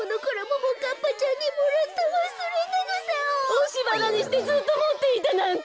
おしばなにしてずっともっていたなんて！